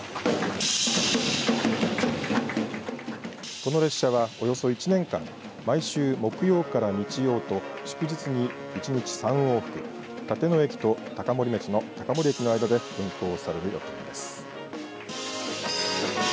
この列車はおよそ１年間毎週木曜から日曜と祝日に１日３往復立野駅と高森町の高森駅の間で運行される予定です。